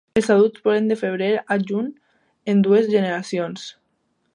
Els adults volen de febrer a juny en dues generacions.